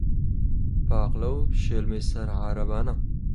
پاقلە و شێلمەی سەر عارەبانە